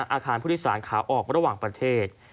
อาคารผู้โดยสารขาออกระหว่างประเทศ